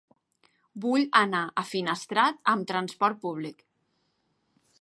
Vull anar a Finestrat amb transport públic.